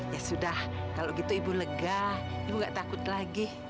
ya sudah kalau gitu ibu lega ibu nggak takut lagi